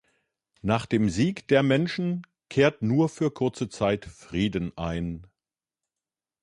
Nach dem Sieg der Menschen kehrt nur für kurze Zeit Frieden ein.